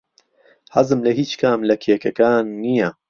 حەزم لە هیچ کام لە کێکەکان نییە.